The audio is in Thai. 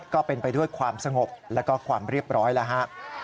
ก็เป็นไปด้วยความสงบและความเรียบร้อยนะฮะ